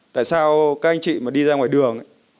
tại sao các anh chị mà đi ra ngoài đường ấy